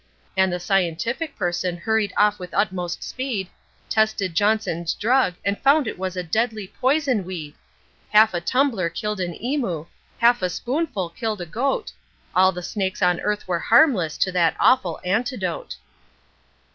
And the scientific person hurried off with utmost speed, Tested Johnson's drug and found it was a deadly poison weed; Half a tumbler killed an emu, half a spoonful killed a goat, All the snakes on earth were harmless to that awful antidote.